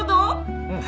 うん。